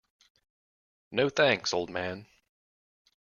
No, thanks, old man.